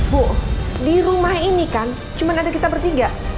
bu di rumah ini kan cuma ada kita bertiga